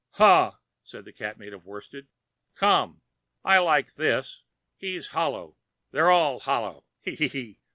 "Ha!" said the Cat made of worsted. "Come. I like this. He's hollow. They're all hollow. He! he!